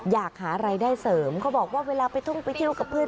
อยากหารายได้เสริมเขาบอกว่าเวลาไปทุ่งไปเที่ยวกับเพื่อน